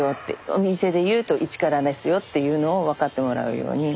お店でいうと１辛ですよっていうのをわかってもらうように。